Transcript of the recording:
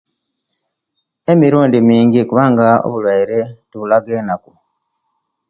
Emirundi mingi kubanga obulwaire tebulaga enaku